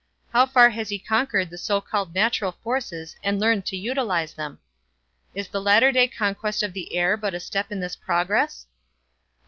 How far has he conquered the so called natural forces and learned to utilize them? Is the latter day conquest of the air but a step in this progress?